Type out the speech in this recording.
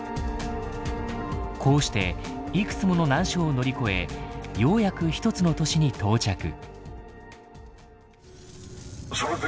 こうしていくつもの難所を乗り越えようやく一つの都市に到着。